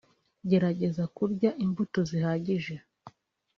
gerageza kurya imbuto zihagije